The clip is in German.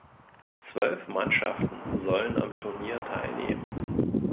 Zwölf Mannschaften sollen am Turnier teilnehmen.